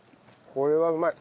これはうまい。